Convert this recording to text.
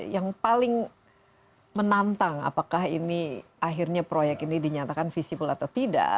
yang paling menantang apakah ini akhirnya proyek ini dinyatakan visible atau tidak